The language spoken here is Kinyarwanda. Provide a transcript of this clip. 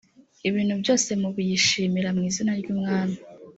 ibintu byose mubiyishimira mu izina ry umwami